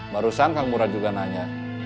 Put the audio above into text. barusan kang murad juga nanya